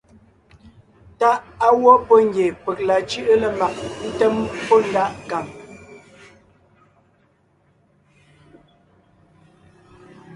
Táʼ á wɔ́ pɔ́ ngie peg la cʉ́ʼʉ lemag ńtém pɔ́ ndaʼ nkàŋ.